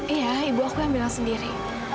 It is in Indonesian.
iya ibu aku yang bilang sendiri